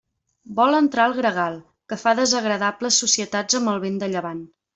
Vol entrar el gregal, que fa desagradables societats amb el vent de llevant.